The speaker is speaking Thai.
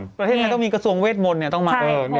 เพราะนี้ต้องมีกระทรวงเวทมนต์เนี่ยต้องมัน